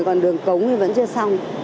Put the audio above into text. còn đường cống thì vẫn chưa xong